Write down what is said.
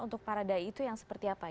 untuk para dai itu yang seperti apa